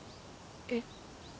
えっ？